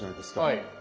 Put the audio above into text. はい。